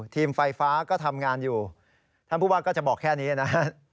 ไฟฟ้าก็ทำงานอยู่ท่านผู้ว่าก็จะบอกแค่นี้นะฮะ